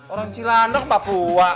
orang cilandak papua